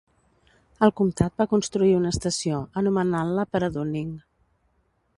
El comtat va construir una estació, anomenant-la per a Dunning.